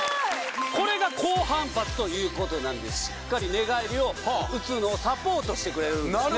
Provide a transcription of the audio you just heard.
これが高反発ということなんでしっかり寝返りを打つのをサポートしてくれるんですね